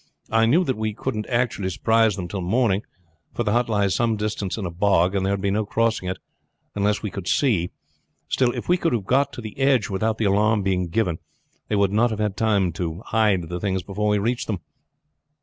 I knew that we couldn't actually surprise them till morning; for the hut lies some distance in a bog, and there would be no crossing it unless we could see. Still if we could have got to the edge without the alarm being given, they would not have time to hide the things before we reached them.